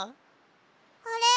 あれ？